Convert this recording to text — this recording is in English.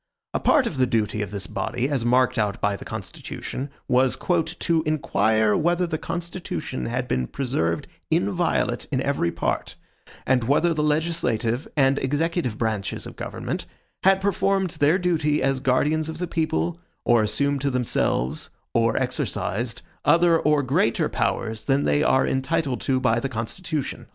A part of the duty of this body, as marked out by the constitution, was "to inquire whether the constitution had been preserved inviolate in every part; and whether the legislative and executive branches of government had performed their duty as guardians of the people, or assumed to themselves, or exercised, other or greater powers than they are entitled to by the constitution."